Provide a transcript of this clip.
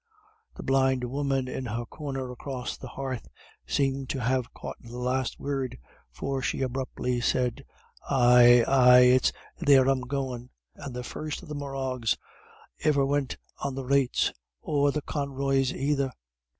The blind woman in her corner across the hearth seemed to have caught the last word, for she abruptly said, "Ay, ay, it's there I'm goin', and the first of the Morroughs iver wint on the rates, or the Conroys aither.